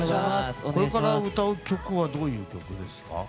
これから歌う曲はどういう曲ですか？